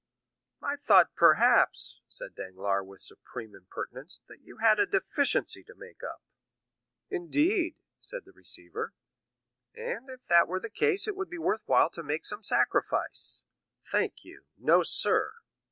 "I thought, perhaps," said Danglars with supreme impertinence, "that you had a deficiency to make up?" "Indeed," said the receiver. "And if that were the case it would be worth while to make some sacrifice." "Thank you, no, sir."